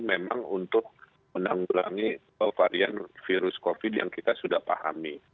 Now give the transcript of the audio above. memang untuk menanggulangi varian virus covid yang kita sudah pahami